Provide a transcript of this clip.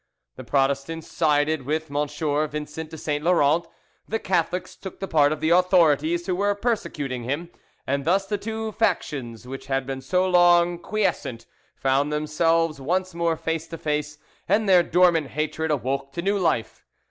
The Protestants sided with M. Vincent de Saint Laurent, the Catholics took the part of the authorities who were persecuting him, and thus the two factions which had been so long quiescent found themselves once more face to face, and their dormant hatred awoke to new life.